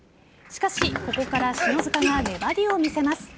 しかしここから篠塚が粘りを見せます。